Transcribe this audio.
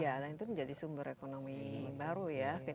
ya itu menjadi sumber ekonomi baru ya